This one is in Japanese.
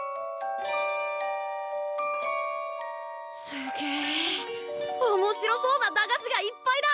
すげえおもしろそうな駄菓子がいっぱいだ！